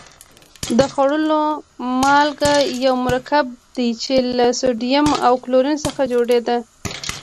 د خوړلو مالګه یو مرکب دی چې له سوډیم او کلورین څخه جوړه ده.